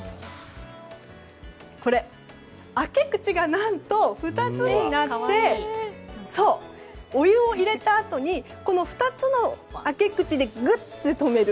開け口が２つになってお湯を入れたあとにこの２つの開け口でぐっと止める。